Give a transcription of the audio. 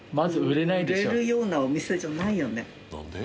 売れるようなお店じゃないよね。